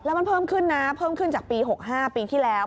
มันเพิ่มขึ้นนะเพิ่มขึ้นจากปี๖๕ปีที่แล้ว